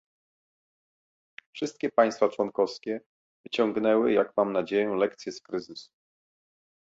Wszystkie państwa członkowskie wyciągnęły, jak mam nadzieję, lekcje z kryzysu